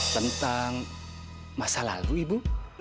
tentang masa lalu ibu